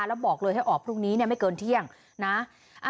แล้วบอกเลยให้ออกพรุ่งนี้ไม่เกินเที่ยงนะ